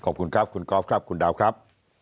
ขอบคุณครับคุณกอล์ฟครับคุณดาวครับ